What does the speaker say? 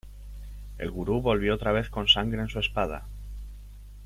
El Gurú volvió otra vez con sangre en su espada.